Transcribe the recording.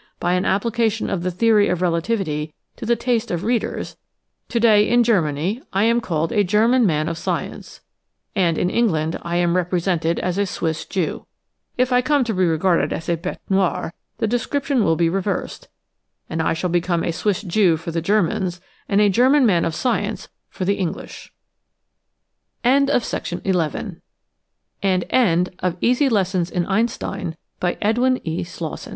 By an application of the theory of relativity to the taste of readers, today in Germany I am called a German man of science, and in England I am represented as a Swiss Jew. If I come to be regarded as a hete noire, the descriptions will be reversed, and I shall become a Swiss Jew for the Ger mans and a German man of science for the English 1 And finally IF YOU WANT TO READ MORE ABOUT THE EINSTEIN THEORIES For